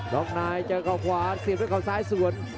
็อกในเจอเขาขวาเสียบด้วยเขาซ้ายสวน